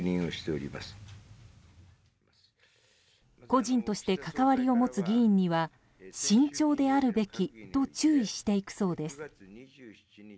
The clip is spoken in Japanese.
個人として関わりを持つ議員には慎重であるべきと注意していくそうです。